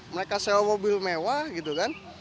mereka sewa mobil mewah gitu kan